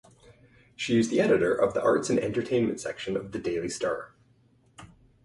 She is editor of the Arts and Entertainment section of "The Daily Star".